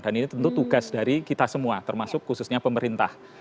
dan ini tentu tugas dari kita semua termasuk khususnya pemerintah